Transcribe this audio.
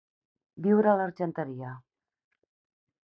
Viure a l'Argenteria.